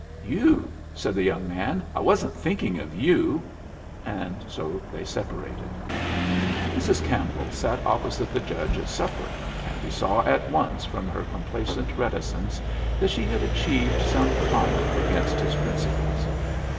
"You!" said the young man. "I wasn't thinking of you." And so they separated. Mrs. Campbell sat opposite the judge at supper, and he saw at once from her complacent reticence that she had achieved some triumph against his principles.